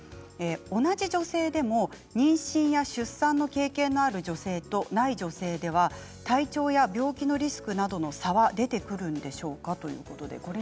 同じ女性でも妊娠や出産の経験のある女性と、ない女性では体調や病気のリスクなどの差は出てくるんでしょうか。